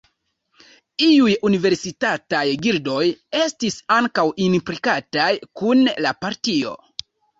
Iuj universitataj gildoj estis ankaŭ implikitaj kun la partio.